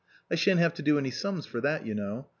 I shan't have to do any sums for that, you know.